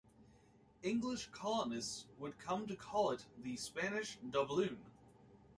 English colonists would come to call it the Spanish doubloon.